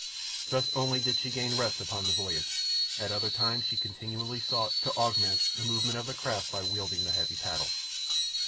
Thus only did she gain rest upon the voyage; at other times she continually sought to augment the movement of the craft by wielding the heavy paddle.